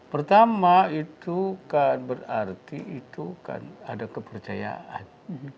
pertama itu kan berarti itu kan ada kepercayaan